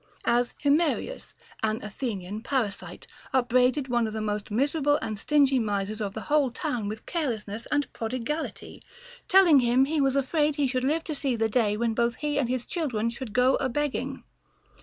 As Himerius, an Athenian para site, upbraided one of the most miserable and stingy misers of the whole town with carelessness and prodigality, tell ing him he was afraid he should live to see the day when both he and his children should go a begging.